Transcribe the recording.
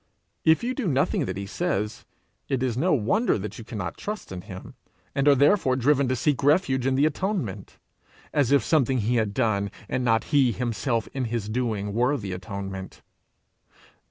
If you do nothing that he says, it is no wonder that you cannot trust in him, and are therefore driven to seek refuge in the atonement, as if something he had done, and not he himself in his doing were the atonement.